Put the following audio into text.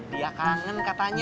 dia kangen katanya